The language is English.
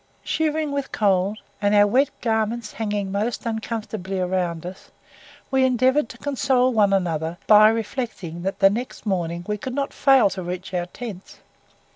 Shivering with cold, and our wet garments hanging most uncomfortably around us, we endeavoured to console one another by reflecting that the next morning we could not fail to reach our tents.